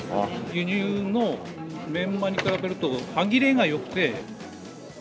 輸入のメンマに比べると歯切れがよくて。